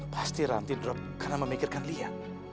pasti ranti drop karena memikirkan liar